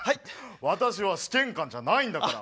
私は試験官じゃないんだから。